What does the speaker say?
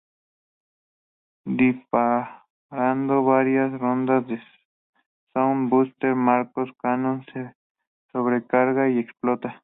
Disparando varias rondas del Sound Buster, Macross Cannon se sobrecarga y explota.